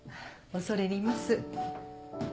恐れ入ります。